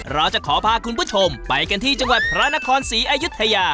เราจะขอพาคุณผู้ชมไปกันที่จังหวัดพระนครศรีอายุทยา